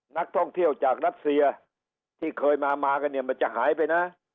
นักท่องเที่ยวจากรัสเซียที่เคยมามากันเนี่ยมันจะหายไปนะ